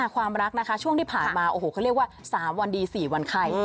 ความรักนะคะช่วงที่ผ่านมาโอ้โหเขาเรียกว่า๓วันดี๔วันไข้